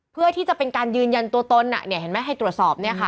เพื่อที่จะเป็นการยืนยันตัวตนให้ตรวจสอบ